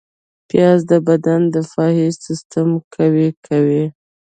پیاز د بدن دفاعي سیستم قوي کوي